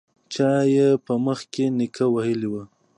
چا يې په مخ کې نيکه وهلی و.